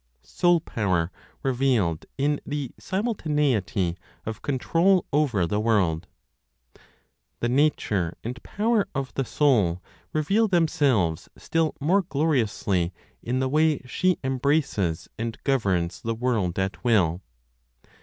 SOUL POWER REVEALED IN THE SIMULTANEITY OF CONTROL OVER THE WORLD. The nature and power of the Soul reveal themselves still more gloriously in the way she embraces and governs the world at will.